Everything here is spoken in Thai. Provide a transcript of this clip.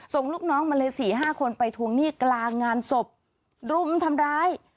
ส่งลูกน้องมาเลย๔๕คนไปทวงหนี้กลางงานศพรุมทำร้าย